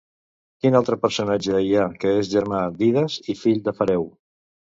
Quin altre personatge hi ha que és germà d'Idas i fill d'Afareu?